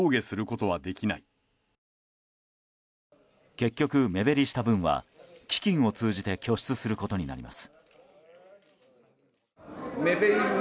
結局、目減りした分は基金を通じて拠出することになります。